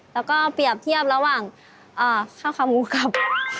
แล้วก็เปรียบเทียบระหว่างข้าวขาหมูกับ